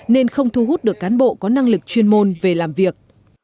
nên không thu hút được cán bộ có năng lực chuyên môn về làm việc